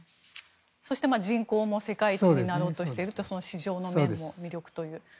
そして人口も世界一になろうとしていると市場の面も魅力という。